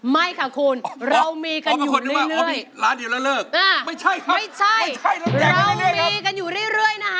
ไม่ค่ะคุณเรามีกันอยู่เรื่อย